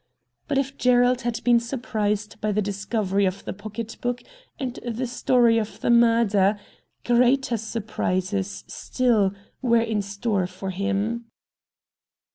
But if Gerald had been surprised by the discovery of the pocket book and the story of the murder, greater surprises still were in 170 RED DIAMONDS store for him.